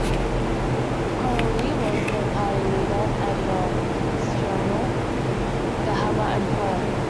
Connolly was the party leader and editor of its journal, "The Hammer and Plough".